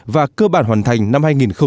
và cơ bản hoàn thành năm hai nghìn hai mươi